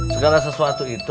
segala sesuatu itu